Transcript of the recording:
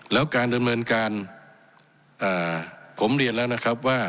แล้วการดำเนินการผมเรียนแล้วนะครับว่า